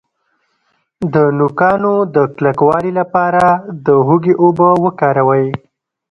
د نوکانو د کلکوالي لپاره د هوږې اوبه وکاروئ